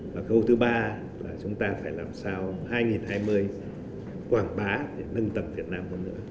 và khâu thứ ba là chúng ta phải làm sao hai nghìn hai mươi quảng bá để nâng tầm việt nam hơn nữa